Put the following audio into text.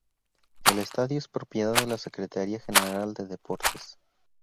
El estadio es propiedad de la Secretaría General de Deportes.